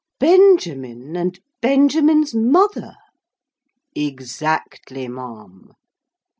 "Benjamin and Benjamin's mother!" "Exactly, ma'am.